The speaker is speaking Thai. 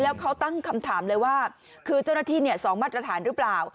แล้วเขาตั้งคำถามเลยว่าคือเจ้าหน้าที่๒มาตรฐานหรือเปล่า